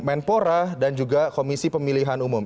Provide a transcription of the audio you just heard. menpora dan juga komisi pemilihan umum